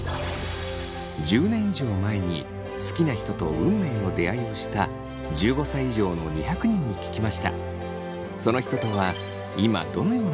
１０年以上前に好きな人と運命の出会いをした１５歳以上の２００人に聞きました。